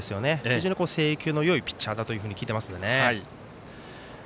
非常に制球のいいピッチャーだと聞いていますので。